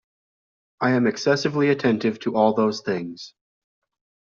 I am excessively attentive to all those things.